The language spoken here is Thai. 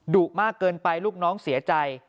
มากเกินไปลูกน้องเสียใจ